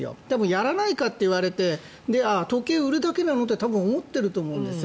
やらないかと言われて時計を売るだけなの？と多分、思ってると思うんですよ